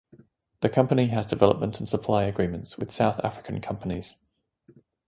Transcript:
The company has development and supply agreements with South African companies.